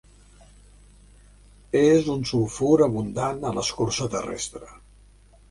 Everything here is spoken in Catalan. És un sulfur abundant a l'escorça terrestre.